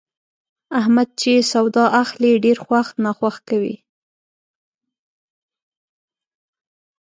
احمد چې سودا اخلي، ډېر خوښ ناخوښ کوي.